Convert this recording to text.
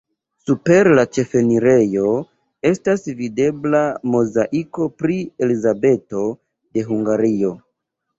Super la ĉefenirejo estas videbla mozaiko pri Elizabeto de Hungario.